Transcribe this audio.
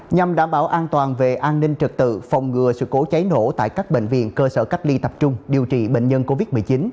nhằm đảm bảo an toàn về an ninh trật tự phòng ngừa sự cố cháy nổ tại các bệnh viện cơ sở cách ly tập trung điều trị bệnh nhân covid một mươi chín